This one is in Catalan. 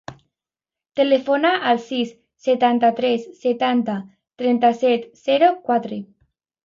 Telefona al sis, setanta-tres, setanta, trenta-set, zero, quatre.